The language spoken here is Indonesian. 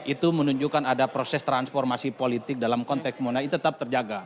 itu menunjukkan ada proses transformasi politik dalam konteks pembangunan itu tetap terjaga